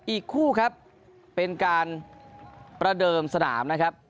อีกคู่ครับเป็นการประเดิมสนามนะครับ